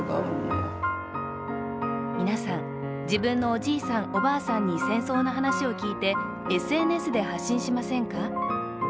皆さん、自分のおじいさん、おばあさんに戦争の話を聞いてＳＮＳで発信しませんか？